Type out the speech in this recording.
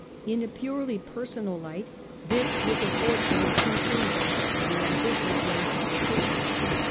In a purely personal light this was a fortunate conclusion for the ambitious young politician.